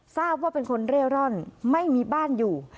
ทราบว่าเป็นคนเร่ร่อนไม่มีบ้านอยู่